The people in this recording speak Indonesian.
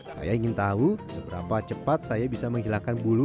saya ingin tahu seberapa cepat saya bisa menghilangkan bulu